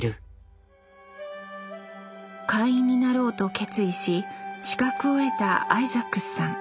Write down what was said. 会員になろうと決意し資格を得たアイザックスさん。